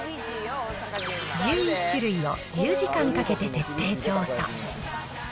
１１種類を１０時間かけて徹底調査。